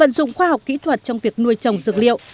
tận dụng khoa học kỹ thuật trong việc nuôi trồng dược liệu